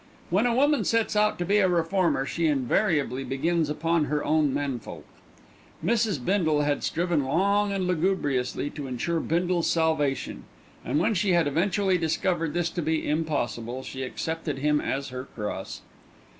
When a woman sets out to be a reformer, she invariably begins upon her own men folk. Mrs. Bindle had striven long and lugubriously to ensure Bindle's salvation, and when she had eventually discovered this to be impossible, she accepted him as her cross.